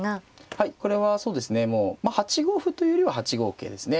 はいこれはそうですねもう８五歩というよりは８五桂ですね。